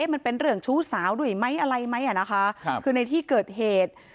มันเป็นเรื่องชู้สาวด้วยไหมอะไรไหมอ่ะนะคะคือในที่เกิดเหตุ